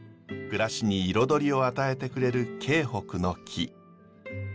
暮らしに彩りを与えてくれる京北の木。